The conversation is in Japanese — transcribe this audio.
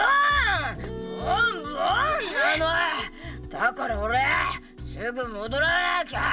だから俺ぁすぐ戻らなきゃ。